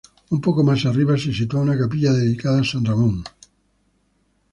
Un poco más arriba se sitúa una capilla dedicada a san Ramón.